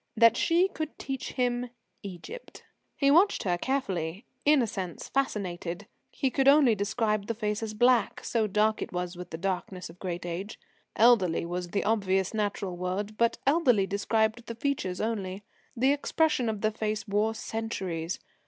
that she could teach him "Egypt." He watched her carefully, in a sense fascinated. He could only describe the face as black, so dark it was with the darkness of great age. Elderly was the obvious, natural word; but elderly described the features only. The expression of the face wore centuries.